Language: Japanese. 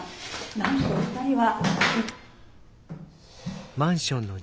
なんとお二人は」。